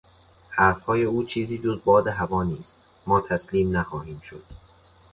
حرفهای او چیزی جز باد هوا نیست; ما تسلیم نخواهیم شد.